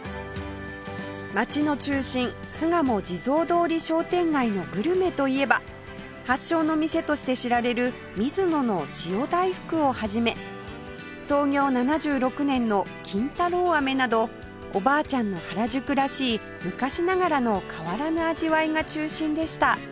街の中心巣鴨地蔵通り商店街のグルメといえば発祥の店として知られるみずのの塩大福を始め創業７６年の金太郎飴などおばあちゃんの原宿らしい昔ながらの変わらぬ味わいが中心でした